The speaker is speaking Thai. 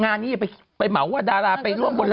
งานนี้ไปเหมาดาราไปร่วมบน